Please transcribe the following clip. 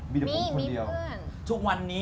มีเพื่อน